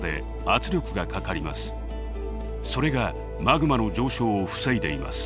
それがマグマの上昇を防いでいます。